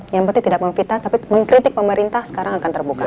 yang penting tidak memfitnah tapi mengkritik pemerintah sekarang akan terbuka